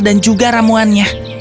dan juga ramuannya